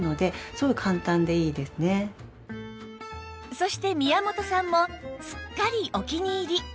そして宮本さんもすっかりお気に入り